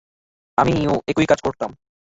আমিও একই কাজটা করতাম।